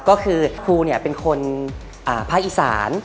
ก็คือครูเป็นคนภาคอีสาน